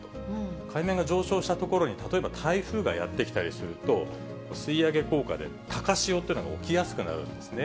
海面が上昇した所に、例えば台風がやって来たりすると、吸い上げ効果で高潮っていうのが起きやすくなるんですね。